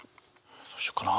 どうしようかな。